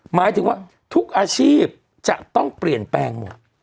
หมายถึงว่าทุกอาชีพจะต้องเปลี่ยนแปลงหมด